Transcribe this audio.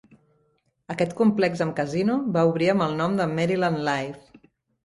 Aquest complex amb casino va obrir amb el nom de Maryland Live!